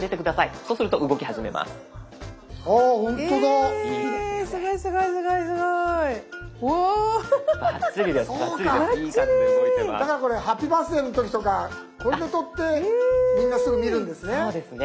そうかだからこれハッピーバースデーの時とかこれで撮ってみんなすぐ見るんですね？